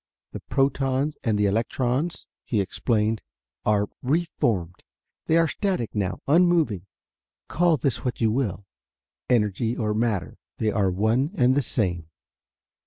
"The protons and the electrons," he explained, "are re formed. They are static now, unmoving. Call this what you will energy or matter they are one and the same."